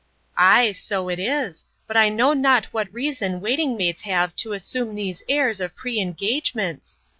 —Ay, so it is; but I know not what reason waiting maids have to assume these airs of pre engagements!